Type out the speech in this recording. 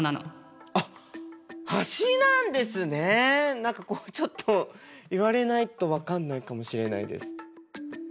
何かこうちょっと言われないと分かんないかもしれないです。